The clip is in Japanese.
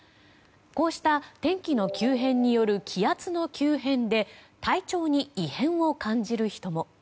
こうした天気の急変による気圧の急変で体調に異変を感じる人も。